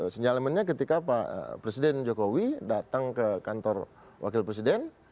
senyalemennya ketika pak presiden jokowi datang ke kantor wakil presiden